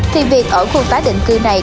thì việc ở khu tái định cư này